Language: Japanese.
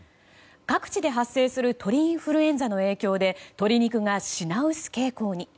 各地で発生する鳥インフルエンザの影響で鶏肉が品薄傾向に。